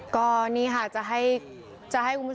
น้องพระเจริญก็ถึง